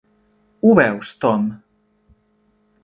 Ho veus, Tom?